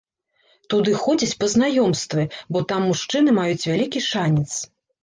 Туды ходзяць па знаёмствы, бо там мужчыны маюць вялікі шанец.